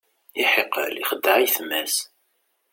Iḥiqel ixeddeɛ ayetma-s.